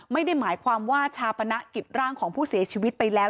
ไม่ได้หมายความว่าชาปนกิจร่างของผู้เสียชีวิตไปแล้ว